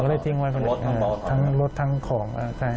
กดเลยทิ้งไว้ที่บ้านธรรมดิ์รถทั้งของ